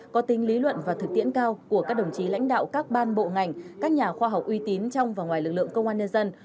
có tính lý luận và thực tiễn cao của các đồng chí lãnh đạo các ban bộ ngành các nhà khoa học uy tín trong và ngoài lực lượng công an nhân dân